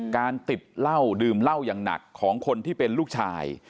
การติดเหล้าดื่มเหล้าอย่างหนักของคนที่เป็นลูกชาย